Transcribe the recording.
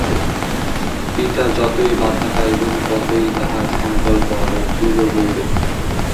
পিতা যতই বাধা পাইবেন, ততই তাঁহার সংকল্প আরো দৃঢ় হইবে।